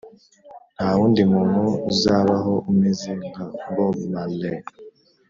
ntawundi muntu uzabaho umeze nka bob marley